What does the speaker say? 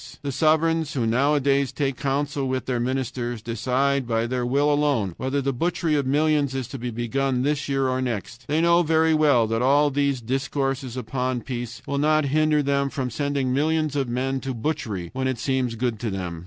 The sovereigns, who nowadays take counsel with their ministers, decide by their will alone whether the butchery of millions is to be begun this year or next. They know very well that all these discourses upon peace will not hinder them from sending millions of men to butchery when it seems good to them.